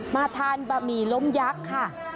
มาทานบะหมี่ล้มยักษ์ค่ะ